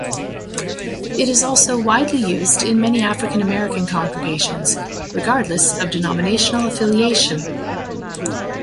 It is also widely used in many African-American congregations regardless of denominational affiliation.